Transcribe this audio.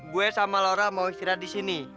gue sama lora mau istirahat di sini